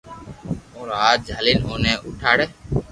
اورو ھاٿ جھالِین اوني اُوٺاڙي